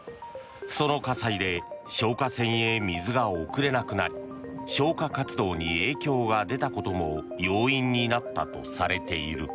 その火災で消火栓へ水が送れなくなり消火活動に影響が出たことも要因になったとされている。